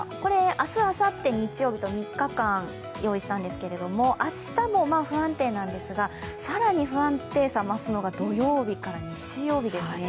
明日、あさって、日曜日と３日間用意したんですが、明日も不安定なんですが更に不安定さが増すのが土曜日から日曜日ですね。